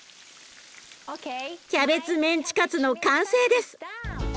キャベツメンチカツの完成です。